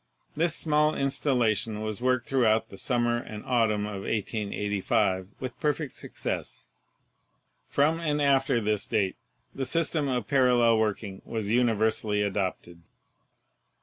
This small installation was worked throughout the summer and autumn of 1885 with perfect success. From and after this date the system of parallel working was universally adopted."